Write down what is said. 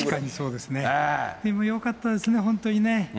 でも、よかったですね、本当にね。